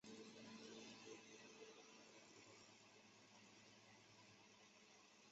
毕业于安徽农学院农学专业。